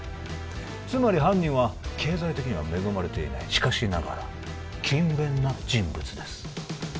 つまり犯人は経済的には恵まれていないしかしながら勤勉な人物です